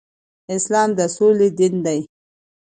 اسلام د سولې دين دی